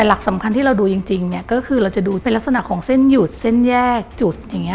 หลักสำคัญที่เราดูจริงเนี่ยก็คือเราจะดูเป็นลักษณะของเส้นหยุดเส้นแยกจุดอย่างนี้